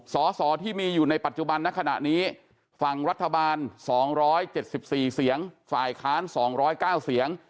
สสที่มีอยู่ในปัจจุบันในขณะนี้ฝั่งรัฐบาล๒๗๔เสียงฝ่ายค้าน๒๐๙เสียง